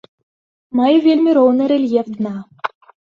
Мае вельмі роўны рэльеф дна.